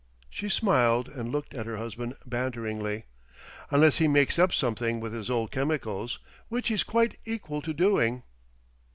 She smiled, and looked at her husband banteringly. "Unless he makes up something with his old chemicals, which he's quite equal to doing."